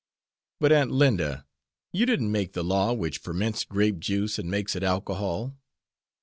"But, Aunt Linda, you didn't make the law which ferments grape juice and makes it alcohol."